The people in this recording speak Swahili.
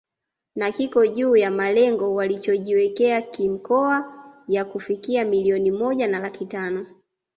Na kiko juu ya malengo walichojiwekea kimkoa ya kufikia milioni moja na laki tano